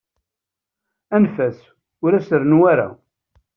Anef-as, ur as-rennu ara.